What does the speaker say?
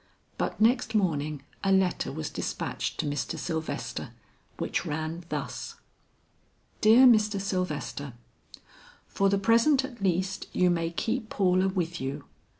But next morning a letter was despatched to Mr. Sylvester which ran thus: "DEAR MR. SYLVESTER: "For the present at least you may keep Paula with you.